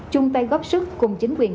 chung tay góp sức cùng chính quyền